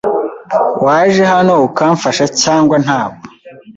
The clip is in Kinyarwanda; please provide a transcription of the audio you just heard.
Waje hano kumfasha cyangwa ntabwo?